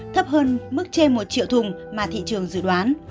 thấp hơn mức trên một triệu thùng mà thị trường dự đoán